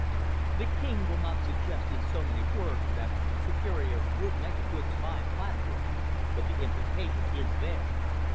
"'The King will not suggest in so many words that Superior would make a good spy platform, but the implication is there.